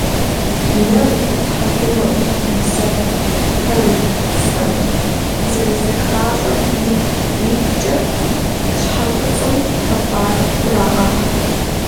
Нэм, тхьэкӏумэм, бзэгум, пэм, фэм зэрызыхащӏэм ипкъ иткӏэ щхьэкуцӏым хъыбар «хурагъэхь».